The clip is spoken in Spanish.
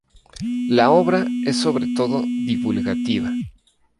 La obra es sobre todo divulgativa.